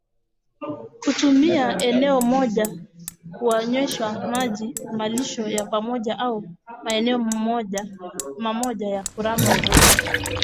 Kutumia eneo moja kuwanyweshwa maji malisho ya pamoja au maeneo mamoja ya kuramba udongo